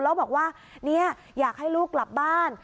แล้วบอกว่าเนี่ยอยากให้ลูกกลับบ้าน